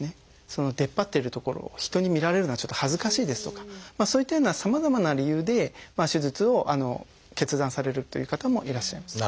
その出っ張ってる所を人に見られるのはちょっと恥ずかしいですとかそういったようなさまざまな理由で手術を決断されるという方もいらっしゃいます。